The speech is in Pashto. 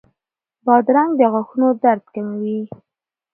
بادرنګ د غاښونو درد کموي.